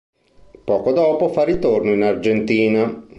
Poco dopo fa ritorno in Argentina.